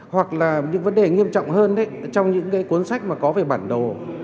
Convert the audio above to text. hoặc là những vấn đề nghiêm trọng hơn trong những cuốn sách có về bản đồ